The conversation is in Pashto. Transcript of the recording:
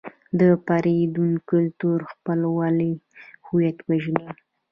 د پردیو کلتور خپلول هویت وژني.